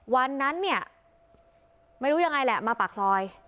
วันนั้นเนี่ยไม่รู้ยังไงแหละมาปากซอย